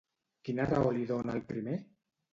Quina raó li dona el primer?